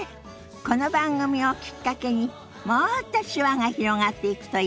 この番組をきっかけにもっと手話が広がっていくといいわね。